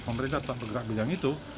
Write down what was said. pemerintah dan pegang bidang itu